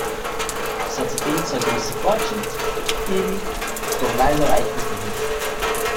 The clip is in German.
Es hat seitdem zwar gewisse Fortschritt gegeben, doch leider reicht das noch nicht.